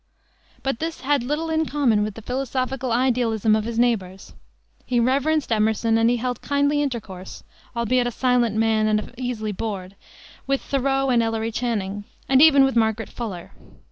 But this had little in common with the philosophical idealism of his neighbors. He reverenced Emerson, and he held kindly intercourse albeit a silent man and easily bored with Thoreau and Ellery Channing, and even with Margaret Fuller.